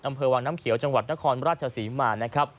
อำเภอวางน้ำเขียวจังหวัดนครราชสีมา